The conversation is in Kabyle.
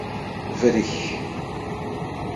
Brek.